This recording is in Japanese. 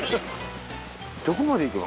どこまで行くの？